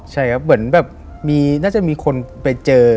ใช่ครับเหมือนแบบมีน่าจะมีคนไปเจอ